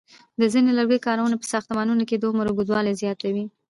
د ځینو لرګیو کارونې په ساختمانونو کې د عمر اوږدوالی زیاتوي.